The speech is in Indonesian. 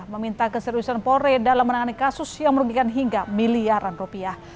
meminta keseriusan polri dalam menangani kasus yang merugikan hingga miliaran rupiah